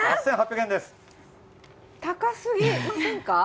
高すぎませんか？